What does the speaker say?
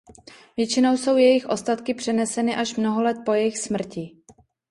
Většinou jsou jejich ostatky přeneseny až mnoho let po jejich smrti.